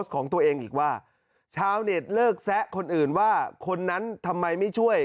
ของตัวเองอีกว่าชาวเน็ตเลิกแซะคนอื่นว่าคนนั้นทำไมไม่ช่วย